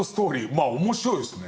まあ面白いですね。